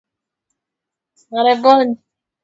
Aristablus Musiba ni mwandishi wa riwaya